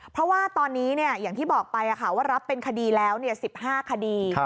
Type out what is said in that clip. เพราะว่าตอนนี้อย่างที่บอกไปว่ารับเป็นคดีแล้ว๑๕คดี